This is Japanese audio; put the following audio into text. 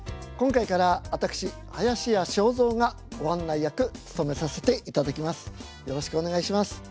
今回から私林家正蔵がご案内役務めさせていただきます。